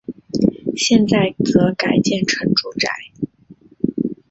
现在则改建成住宅。